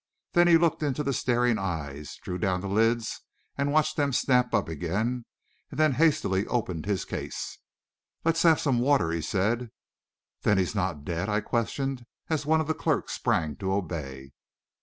Then he looked into the staring eyes, drew down the lids, watched them snap up again, and then hastily opened his case. "Let's have some water," he said. "Then he's not dead?" I questioned, as one of the clerks sprang to obey.